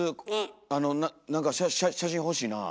あの何か写真欲しいなあ。